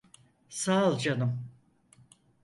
Sağ ol canım.